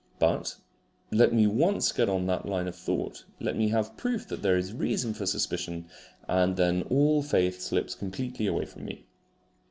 But let me once get on that line of thought let me have proof that there is reason for suspicion and then all faith slips completely away from me.